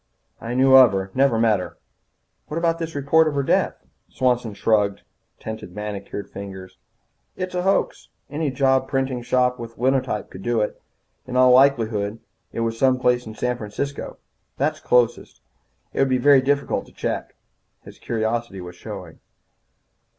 "I knew of her. I never met her." "What about this report of her death?" Swanson shrugged; tented manicured fingers. "It's a hoax. Any job printing shop with a Linotype could do it. In all likelihood it was some place in San Francisco. That's closest. It would be very difficult to check." His curiosity was showing.